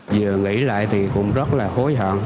giờ nghĩ lại thì cũng rất là hối hận